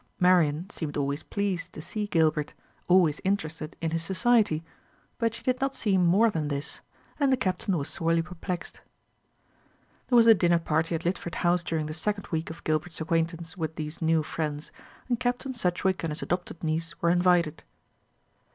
Marian seemed always pleased to see Gilbert, always interested in his society; but she did not seem more than this, and the Captain was sorely perplexed. There was a dinner party at Lidford House during the second week of Gilbert's acquaintance with these new friends, and Captain Sedgewick and his adopted niece were invited.